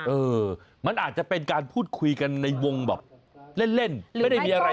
เออมันอาจจะเป็นการพูดคุยกันในวงแบบเล่นไม่ได้มีอะไร